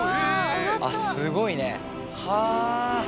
あっすごいねはぁ。